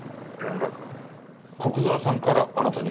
古久沢さんからあなたに？